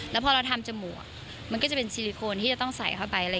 แล้วพอเราทำจมูกมันก็จะเป็นซิลิโคนที่จะต้องใส่เข้าไป